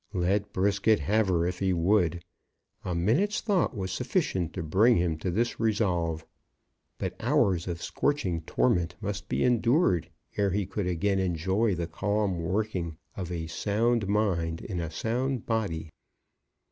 Let Brisket have her if he would. A minute's thought was sufficient to bring him to this resolve. But hours of scorching torment must be endured ere he could again enjoy the calm working of a sound mind in a sound body.